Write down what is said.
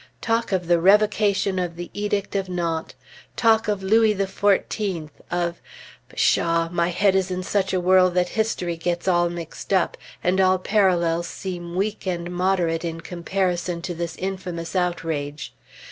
Talk of the Revocation of the Edict of Nantes! Talk of Louis XIV! Of pshaw! my head is in such a whirl that history gets all mixed up, and all parallels seem weak and moderate in comparison to this infamous outrage.